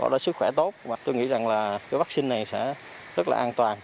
đã sức khỏe tốt và tôi nghĩ rằng là cái vaccine này sẽ rất là an toàn